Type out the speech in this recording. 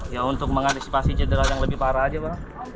ya untuk mengantisipasi cedera yang lebih parah aja pak